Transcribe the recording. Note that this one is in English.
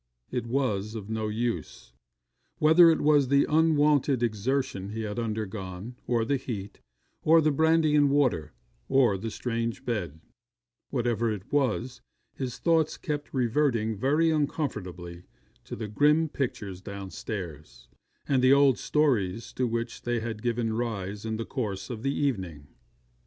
It was of no use. Whether it was the unwonted exertion he had undergone, or the heat, or the brandy and water, or the strange bed whatever it was, his thoughts kept reverting very uncomfortably to the grim pictures downstairs, and the old stories to which they had given rise in the course of the evening.